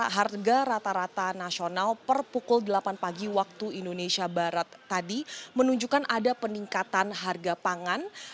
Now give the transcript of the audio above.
harga rata rata nasional per pukul delapan pagi waktu indonesia barat tadi menunjukkan ada peningkatan harga pangan